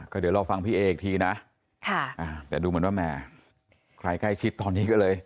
เดี๋ยวรอฟังพี่เออีกทีนะแต่ดูเหมือนว่าแหมใครใกล้ชิดตอนนี้ก็เลย